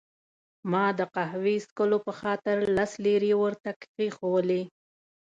ما د قهوې څښلو په خاطر لس لیرې ورته کښېښوولې.